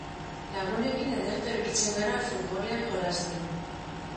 Lagunekin ederto ibiltzen gara futbolean jolasten.